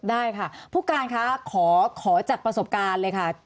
ได้ค่ะผู้การคะขอจากประสบการณ์เลยค่ะ